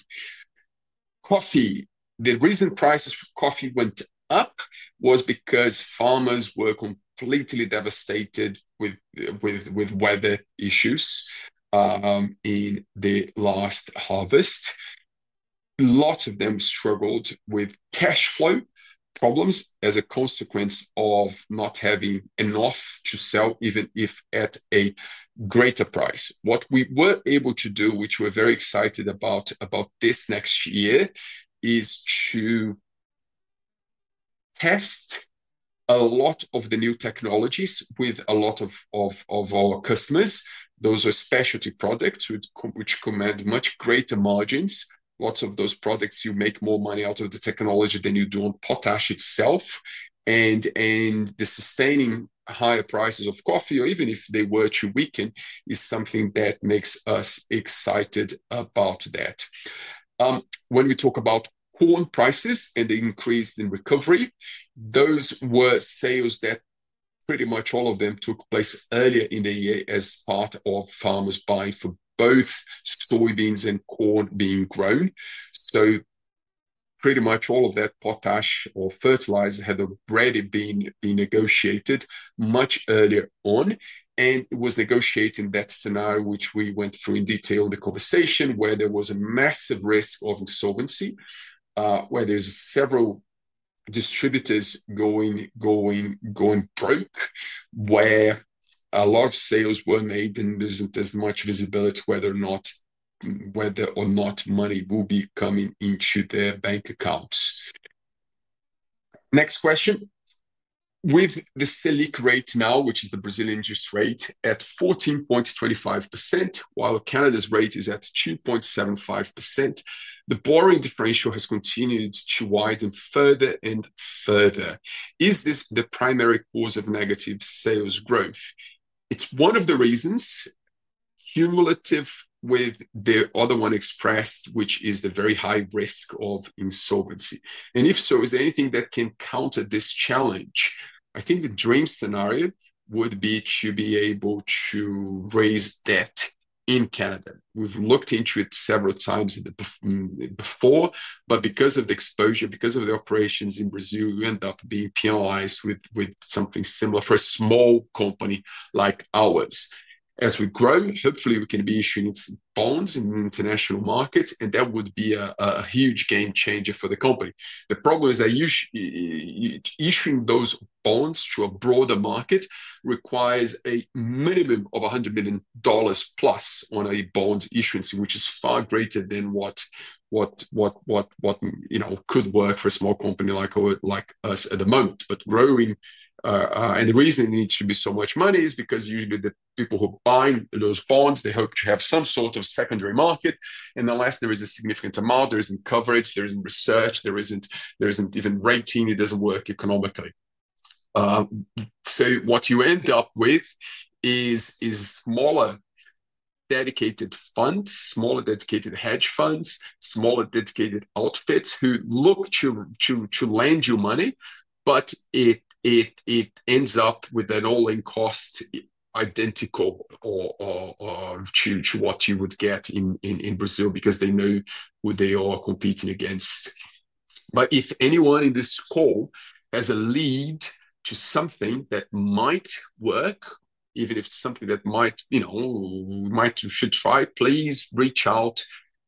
Coffee. The reason prices for coffee went up was because farmers were completely devastated with weather issues in the last harvest. Lots of them struggled with cash flow problems as a consequence of not having enough to sell, even if at a greater price. What we were able to do, which we're very excited about this next year, is to test a lot of the new technologies with a lot of our customers. Those are specialty products which command much greater margins. Lots of those products, you make more money out of the technology than you do on potash itself. The sustaining higher prices of coffee, or even if they were to weaken, is something that makes us excited about that. When we talk about corn prices and the increase in recovery, those were sales that pretty much all of them took place earlier in the year as part of farmers buying for both soybeans and corn being grown. Pretty much all of that potash or fertilizer had already been negotiated much earlier on. It was negotiated in that scenario, which we went through in detail in the conversation, where there was a massive risk of insolvency, where there are several distributors going broke, where a lot of sales were made, and there is not as much visibility whether or not money will be coming into their bank accounts. Next question. With the Selic rate now, which is the Brazilian interest rate, at 14.25%, while Canada's rate is at 2.75%, the borrowing differential has continued to widen further and further. Is this the primary cause of negative sales growth? It is one of the reasons cumulative with the other one expressed, which is the very high risk of insolvency. If so, is there anything that can counter this challenge? I think the dream scenario would be to be able to raise debt in Canada. We've looked into it several times before, but because of the exposure, because of the operations in Brazil, we end up being penalized with something similar for a small company like ours. As we grow, hopefully, we can be issuing bonds in international markets, and that would be a huge game changer for the company. The problem is that issuing those bonds to a broader market requires a minimum of $100 million plus on a bond issuance, which is far greater than what could work for a small company like us at the moment. Growing, and the reason it needs to be so much money is because usually the people who buy those bonds, they hope to have some sort of secondary market. Unless there is a significant amount, there isn't coverage, there isn't research, there isn't even rating, it doesn't work economically. What you end up with is smaller dedicated funds, smaller dedicated hedge funds, smaller dedicated outfits who look to lend you money, but it ends up with an all-in cost identical to what you would get in Brazil because they know who they are competing against. If anyone in this call has a lead to something that might work, even if it's something that might you should try, please reach out,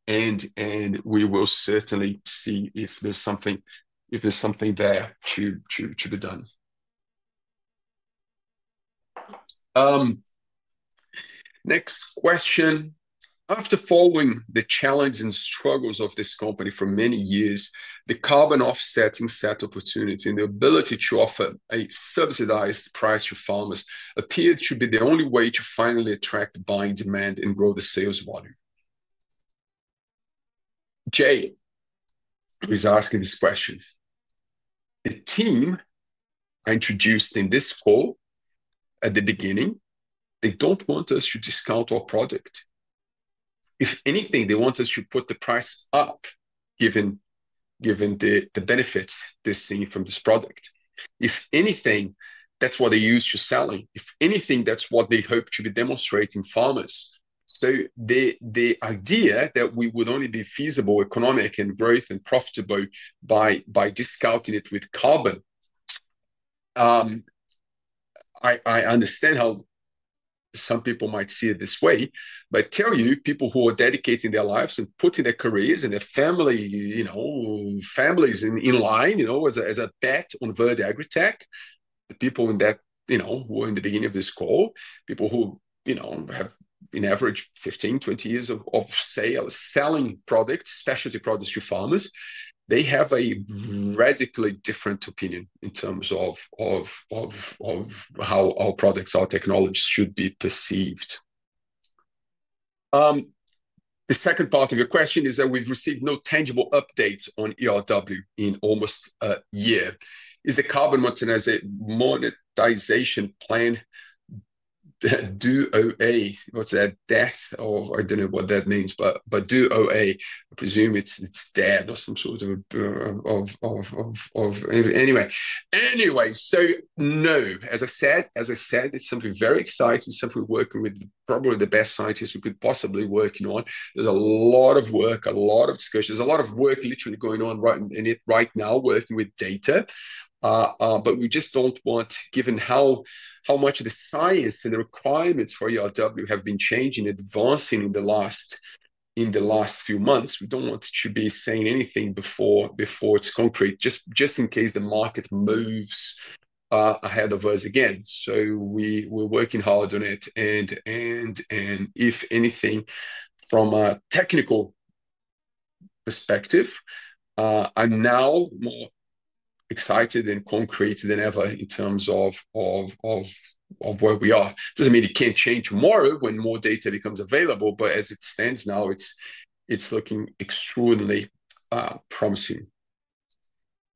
and we will certainly see if there's something there to be done. Next question. After following the challenges and struggles of this company for many years, the carbon offsetting set opportunity and the ability to offer a subsidized price to farmers appeared to be the only way to finally attract buying demand and grow the sales volume. Jay is asking this question. The team I introduced in this call at the beginning, they do not want us to discount our product. If anything, they want us to put the price up given the benefits they are seeing from this product. If anything, that is what they use to sell it. If anything, that is what they hope to be demonstrating farmers. The idea that we would only be feasible, economic, and growth and profitable by discounting it with carbon. I understand how some people might see it this way, but I tell you, people who are dedicating their lives and putting their careers and their families in line as a bet on Verde AgriTech, the people who were in the beginning of this call, people who have an average of 15, 20 years of selling products, specialty products to farmers, they have a radically different opinion in terms of how our products, our technologies should be perceived. The second part of your question is that we've received no tangible updates on ERW in almost a year. Is the carbon monetization plan DOA? What's that? Death? I don't know what that means, but DOA? I presume it's dead or some sort of anyway. Anyway, no. As I said, it's something very exciting. It's something we're working with, probably the best scientists we could possibly be working on. There's a lot of work, a lot of discussion. There's a lot of work literally going on right now, working with data. We just don't want, given how much of the science and the requirements for ERW have been changing and advancing in the last few months, we don't want to be saying anything before it's concrete, just in case the market moves ahead of us again. We're working hard on it. If anything, from a technical perspective, I'm now more excited and concrete than ever in terms of where we are. It doesn't mean it can't change tomorrow when more data becomes available, but as it stands now, it's looking extraordinarily promising.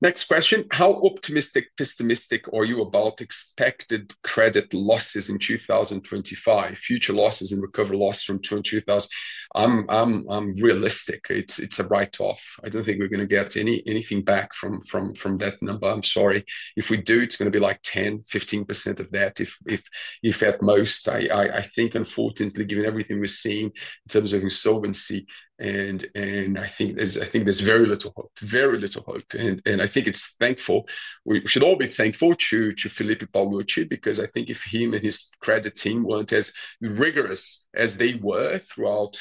Next question. How optimistic, pessimistic are you about expected credit losses in 2025? Future losses and recovery loss from 2025. I'm realistic. It's a write-off. I don't think we're going to get anything back from that number. I'm sorry. If we do, it's going to be like 10%-15% of that, if at most. I think, unfortunately, given everything we're seeing in terms of insolvency, I think there's very little hope. I think it's thankful. We should all be thankful to Felipe Paolucci because I think if him and his credit team weren't as rigorous as they were throughout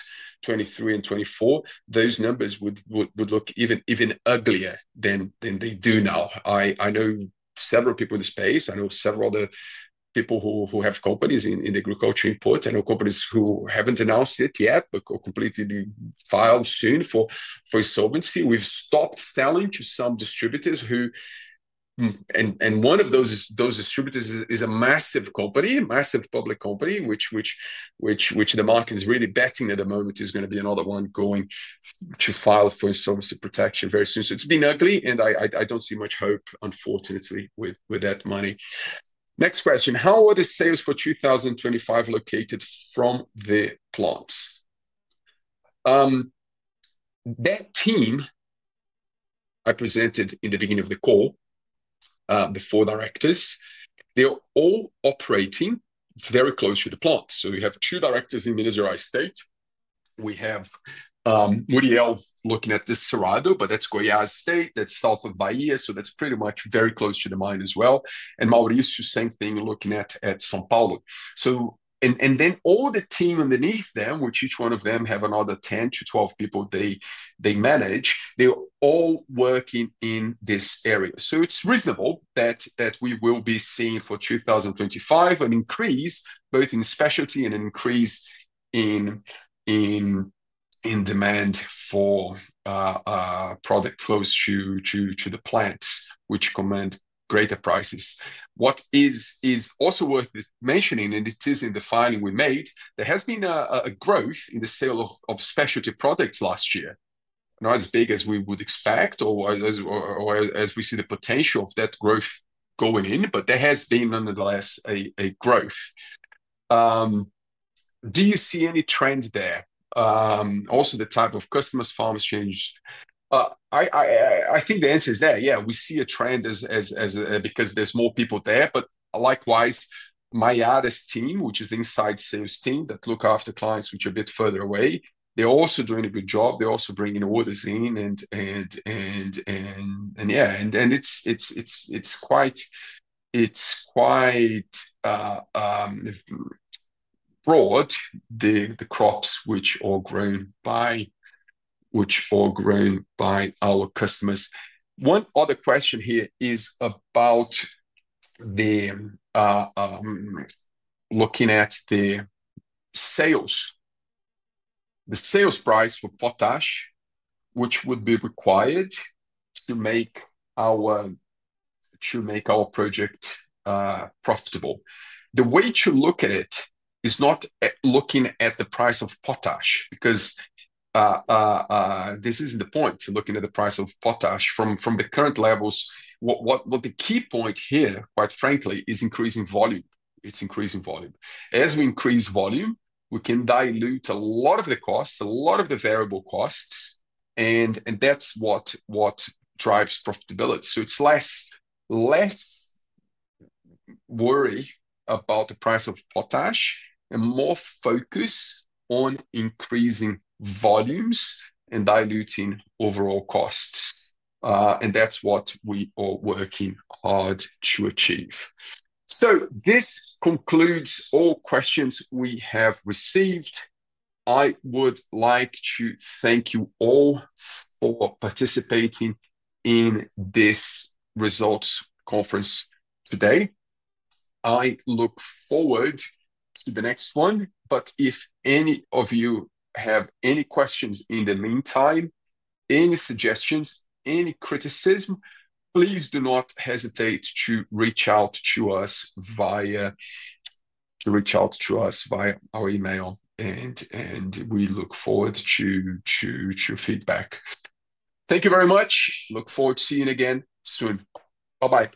2023 and 2024, those numbers would look even uglier than they do now. I know several people in the space. I know several other people who have companies in agriculture import. I know companies who haven't announced it yet but are completely filed soon for insolvency. We've stopped selling to some distributors, and one of those distributors is a massive company, a massive public company, which the market is really betting at the moment is going to be another one going to file for insolvency protection very soon. It's been ugly, and I don't see much hope, unfortunately, with that money. Next question. How are the sales for 2025 located from the plant? That team I presented in the beginning of the call, the four directors, they're all operating very close to the plant. We have two directors in Minas Gerais State. We have Muriel looking at the Cerrado, but that's Goiás State. That's south of Bahia. That's pretty much very close to the mine as well. Maurício, same thing, looking at São Paulo. All the team underneath them, which each one of them have another 10-12 people they manage, they're all working in this area. It is reasonable that we will be seeing for 2025 an increase, both in specialty and an increase in demand for product close to the plants, which command greater prices. What is also worth mentioning, and it is in the filing we made, there has been a growth in the sale of specialty products last year, not as big as we would expect or as we see the potential of that growth going in, but there has been nonetheless a growth. Do you see any trend there? Also, the type of customers, farmers changed. I think the answer is there. Yeah, we see a trend because there's more people there. Likewise, Maiara's team, which is the inside sales team that look after clients which are a bit further away, they're also doing a good job. They're also bringing orders in. Yeah, it's quite broad, the crops which are grown by our customers. One other question here is about looking at the sales, the sales price for potash, which would be required to make our project profitable. The way to look at it is not looking at the price of potash because this isn't the point, looking at the price of potash from the current levels. The key point here, quite frankly, is increasing volume. It's increasing volume. As we increase volume, we can dilute a lot of the costs, a lot of the variable costs, and that's what drives profitability. It is less worry about the price of potash and more focus on increasing volumes and diluting overall costs. That is what we are working hard to achieve. This concludes all questions we have received. I would like to thank you all for participating in this results conference today. I look forward to the next one. If any of you have any questions in the meantime, any suggestions, any criticism, please do not hesitate to reach out to us via our email, and we look forward to your feedback. Thank you very much. Look forward to seeing you again soon. Bye-bye.